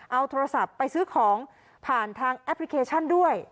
เอาโทรศัพท์ไปซื้อของผ่านทางแอปพลิเคชันด้วย